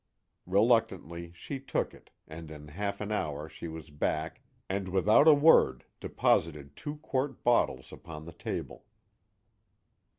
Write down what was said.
Reluctantly, she took it and in half an hour she was back and without a word deposited two quart bottles upon the table.